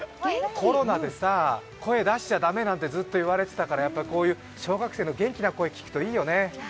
コロナでさ、声出しちゃ駄目ってずっと言われてきたからやっぱりこういう小学生の元気な声聞くといいよね。